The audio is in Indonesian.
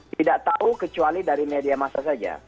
tidak tahu kecuali dari media massa saja